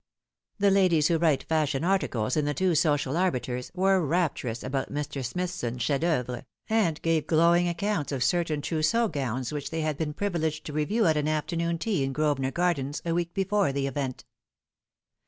The ladies who write fashion articles in the two social arbiters were rapturous about Mr. Smilhson's ehef d'ceuvre, and pave glowing accounts of certain trousseau gowns which they had been privileged to review at an afternoon tea in Grosvenor Gardens a week before the event.